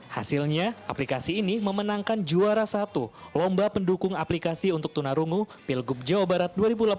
hasilnya aplikasi ini memenangkan juara satu lomba pendukung aplikasi untuk tunarungu pilgub jawa barat dua ribu delapan belas